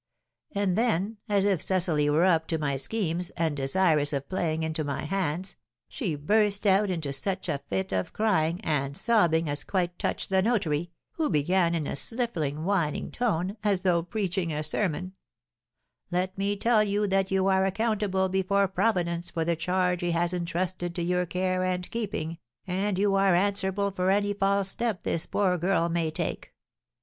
And then, as if Cecily were up to my schemes, and desirous of playing into my hands, she burst out into such a fit of crying and sobbing as quite touched the notary, who began in a sniffling, whining tone, as though preaching a sermon, 'Let me tell you that you are accountable before Providence for the charge he has entrusted to your care and keeping, and you are answerable for any false step this poor girl may take.